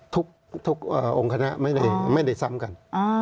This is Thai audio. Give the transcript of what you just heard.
ทุกองค์คณะไม่ได้ซ้ำกัน